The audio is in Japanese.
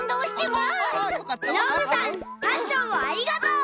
パッションをありがとう！